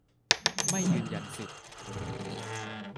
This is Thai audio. ไม่ยืนยันสิทธิ